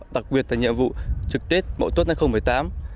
đặc biệt là nhiệm vụ trực tết mẫu tốt năm hai nghìn một mươi tám